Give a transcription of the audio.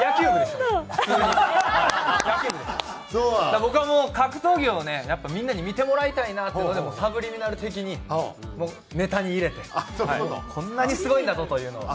だから僕はもう格闘技をねやっぱみんなに見てもらいたいなっていうのでサブリミナル的にネタに入れてこんなにすごいんだぞというのを。